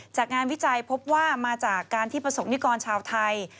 จากงานวิจัยพบว่ามาจากการที่ประสงค์นิกรชาวไทย